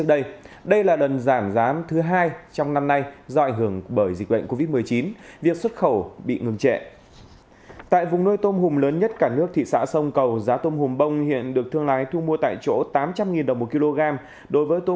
đặc biệt tại các khu vực phong tỏa vì dịch bệnh covid một mươi chín